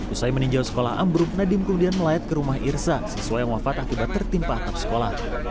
usai meninjau sekolah ambruk nadiem kemudian melayat ke rumah irsa siswa yang wafat akibat tertimpa atap sekolah